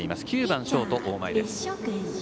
９番ショート、大前です。